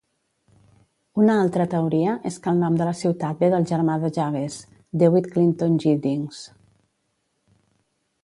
Una altra teoria és que el nom de la ciutat ve del germà de Jabez, Dewitt Clinton Giddings.